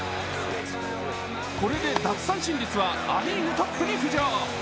これで奪三振率はア・リーグトップに浮上。